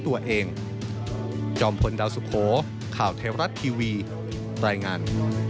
บรรดาสุโขข่าวเทวรัฐทีวีแปรงาน